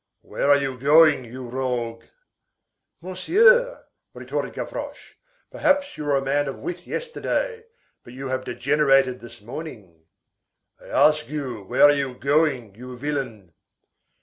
"Where are you going, you rogue?" "Monsieur," retorted Gavroche, "perhaps you were a man of wit yesterday, but you have degenerated this morning." "I ask you where are you going, you villain?"